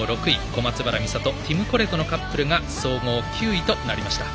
小松原美里、ティム・コレトのカップルが総合９位となりました。